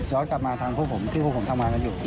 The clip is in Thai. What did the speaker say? กลับมาทางพวกผมที่พวกผมทำงานกันอยู่